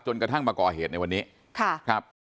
จนกระทั่งมาก่อเหตุในวันนี้